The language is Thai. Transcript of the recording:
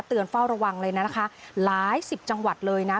เฝ้าระวังเลยนะคะหลายสิบจังหวัดเลยนะ